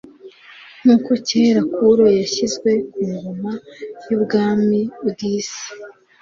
Nk'uko kera Kuro yashyizwe ku ngoma y'ubwami bw'isi